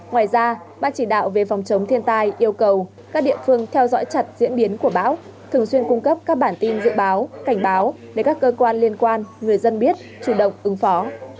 ngoài ra ban chỉ đạo về phòng chống thiên tai yêu cầu các địa phương theo dõi chặt diễn biến của bão thường xuyên cung cấp các bản tin dự báo cảnh báo để các cơ quan liên quan người dân biết chủ động ứng phó